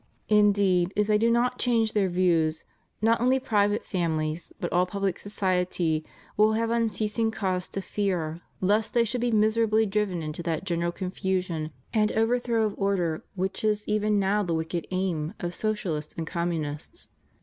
Indeed, if they do not change their views, not only pri vate families, but all pubUc society, wiU have imceasing cause to fear lest they should be miserably driven into that general confusion and overthrow of order which is even now the wicked aim of Sociahsts and Communists.